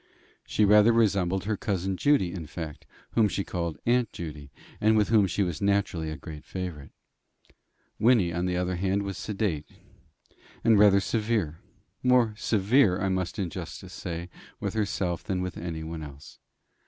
She rather resembled her cousin Judy, in fact whom she called Aunt Judy, and with whom she was naturally a great favourite. Wynnie, on the other hand, was sedate, and rather severe more severe, I must in justice say, with herself than with anyone else.